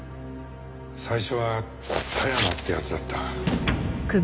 最初は田山って奴だった。